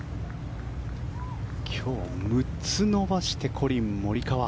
今日、６つ伸ばしてコリン・モリカワ。